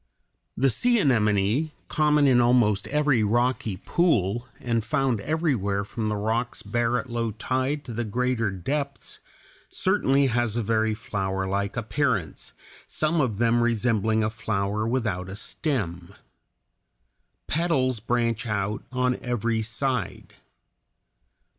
The sea anemone, common in almost every rocky pool, and found everywhere from the rocks bare at low tide to the greater depths, certainly has a very flowerlike appearance, some of them resembling a flower without a stem. Petals branch out on every side.